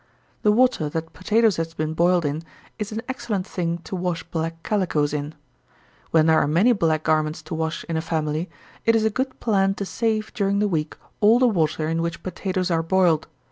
The water that potatoes has been boiled in is an excellent thing to wash black calicoes in. When there are many black garments to wash in a family, it is a good plan to save, during the week, all the water in which potatoes are boiled.